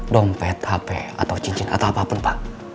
dompet hp atau cincin atau apapun pak